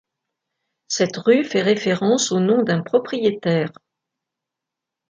Cette rue fait référence au nom d'un propriétaire.